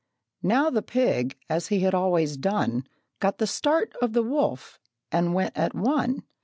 Now the pig, as he had always done, Got the start of the wolf, and went at one.